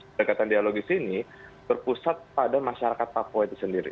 pendekatan dialogis ini berpusat pada masyarakat papua itu sendiri